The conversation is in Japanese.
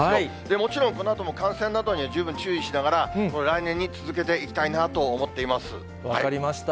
もちろん、このあとも感染などには十分注意しながら、来年に続けていきたい分かりました。